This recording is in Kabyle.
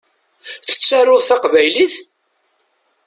Tettaruḍ taqbaylit?